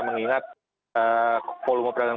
mengingat volume perdagangan globalnya